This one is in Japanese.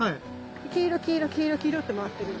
黄色黄色黄色黄色って回ってるんです。